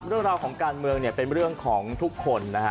เรื่องราวของการเมืองเนี่ยเป็นเรื่องของทุกคนนะฮะ